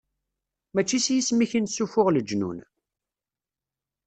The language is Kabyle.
Mačči s yisem-ik i nessufuɣ leǧnun?